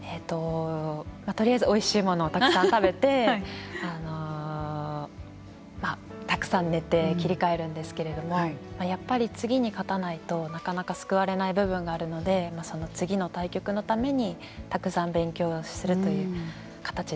とりあえずおいしいものをたくさん食べてたくさん寝て切り替えるんですけれどもやっぱり次に勝たないとなかなか救われない部分があるのでその次の対局のためにたくさん勉強するという形ですね。